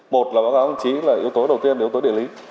một là báo cáo đồng chí là yếu tố đầu tiên là yếu tố địa lý